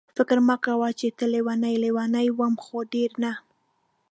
فکر مې کاوه چې ته لېونۍ یې، لېونۍ وم خو ډېره نه.